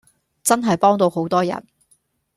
真係幫到好多人